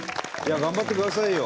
頑張ってくださいよ！